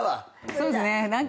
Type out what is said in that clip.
そうですね何か。